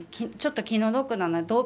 ちょっと気の毒だなと。